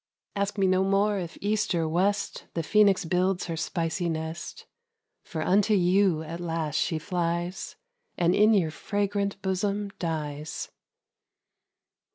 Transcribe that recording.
Ask me no more if east or west The Phoenix builds her spicy nest; For unto you at last she flies, And in your fragrant bosom dies.